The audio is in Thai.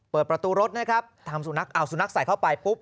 เปิดประตูรถนะครับทำสุนัขเอาสุนัขใส่เข้าไปปุ๊บ